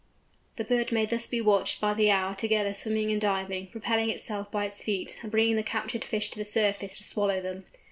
The bird may thus be watched by the hour together swimming and diving, propelling itself by its feet, and bringing the captured fish to the surface to swallow them.